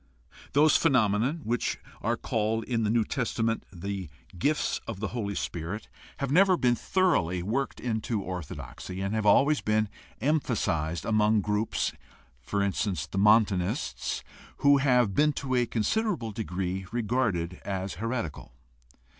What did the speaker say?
Those phenomena which are called in the New Testament the gifts of the Holy Ghost have never been THE HISTORIC.\L STUDY OF RELIGION 57 thoroughly worked into orthodoxy and have always been emphasized among groups (e.g., the Montanists) who have been to a considerable degree regarded as heretical.